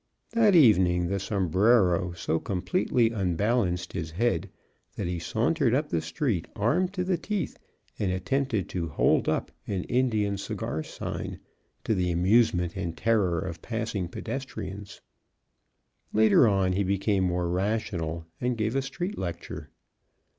That evening the sombrero so completely unbalanced his head that he sauntered up the street armed to the teeth, and attempted to "hold up" an Indian cigar sign, to the amusement and terror of passing pedestrians. Later on, he became more rational, and gave a street lecture.